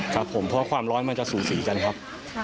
ครับผมเพราะความร้อนมันจะสูสีกันครับ